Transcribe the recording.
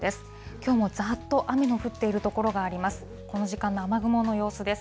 きょうもざーっと雨の降っている所があります。